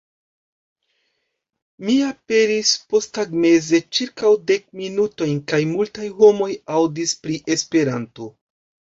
Mi aperis posttagmeze ĉirkaŭ dek minutojn, kaj multaj homoj aŭdis pri Esperanto.